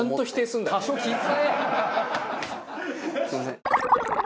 すみません。